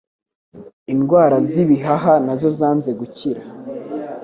indwara z'ibihaha nazo zanze gukira